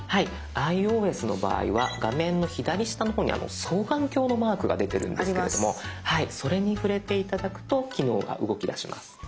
アイオーエスの場合は画面の左下の方に双眼鏡のマークが出てるんですけれどもそれに触れて頂くと機能が動きだします。